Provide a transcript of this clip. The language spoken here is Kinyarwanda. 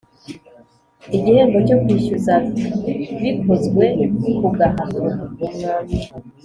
Igihembo cyo kwishyuza bikozwe ku gahato